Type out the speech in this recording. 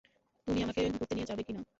তুমি আমাকে ঘুরতে নিয়ে যাবে কি-না?